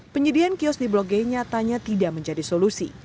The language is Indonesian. penyediaan kios di blok g nyatanya tidak menjadi solusi